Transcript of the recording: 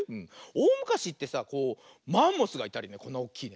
おおむかしってさこうマンモスがいたりこんなおっきいね。